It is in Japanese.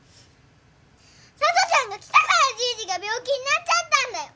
さとちゃんが来たからじいじが病気になっちゃったんだよ！